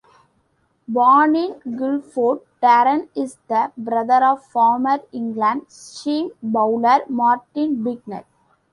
Born in Guildford, Darren is the brother of former England seam bowler Martin Bicknell.